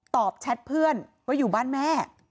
แชทเพื่อนว่าอยู่บ้านแม่